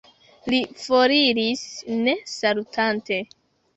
Li foriris, ne salutante.